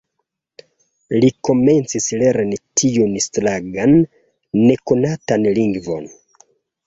Li komencis lerni tiun strangan nekonatan lingvon.